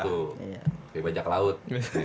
kayak bajak laut